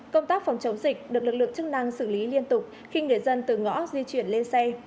công tác phòng chống dịch được lực lượng chức năng xử lý liên tục khi người dân từ ngõ di chuyển lên xe